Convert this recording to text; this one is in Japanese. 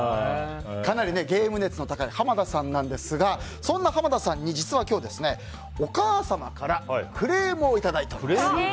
かなりゲーム熱の高い濱田さんなんですがそんな濱田さんに実は今日、お母さまからクレームをいただいております。